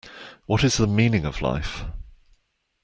What is the meaning of life?